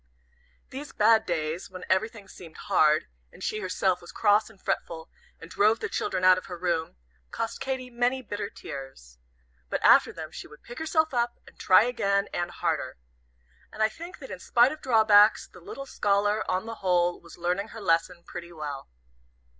These bad days, when everything seemed hard, and she herself was cross and fretful, and drove the children out of her room, cost Katy many bitter tears. But after them she would pick herself up, and try again, and harder. And I think that in spite of drawbacks, the little scholar, on the whole, was learning her lesson pretty well.